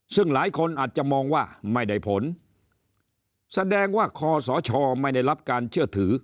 ซึ่งหลายคนอาจจะมองว่าไม่ได้ผลแสดงว่าคอสชไม่ได้รับการเชื่อถือ